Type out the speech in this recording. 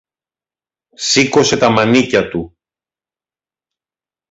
σήκωσε τα μανίκια του